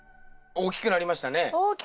大きくなりましたね。